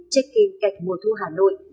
check in cạnh mùa thu hà nội